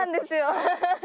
アハハハ。